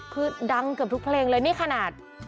คือดังเกือบทุกเพลงเลยนี่ขนาด